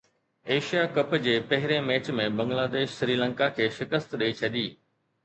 Asia cup جي پهرين match ۾ Bangladesh Sri Lanka کي شڪست ڏئي ڇڏي